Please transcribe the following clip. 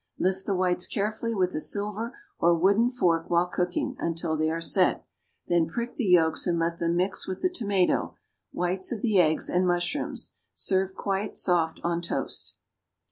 Lift the whites carefully with a silver or wooden fork while cooking, until they are set; then prick the yolks and let them mix with the tomato, whites of the eggs and mushrooms. Serve quite soft on toast.